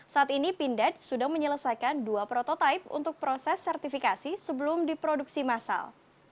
saat ini pindad sudah menyelesaikan dua prototipe untuk proses sertifikasi sebelum diproduksi massal